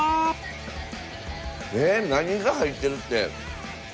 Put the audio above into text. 何が入ってるって。